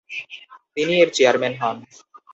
তিনি এর চেয়ারম্যান হন।